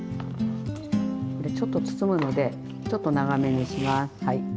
これちょっと包むのでちょっと長めにします。